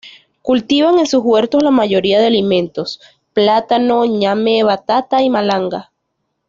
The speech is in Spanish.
Cultivan en sus huertos la mayoría de alimentos: plátano, ñame, batata y malanga.